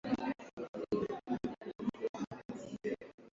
vya ukolezi ambavyo viko juu sana vikiwa karibu na vyanzo vyake